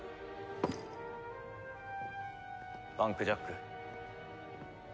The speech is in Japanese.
パンクジャック。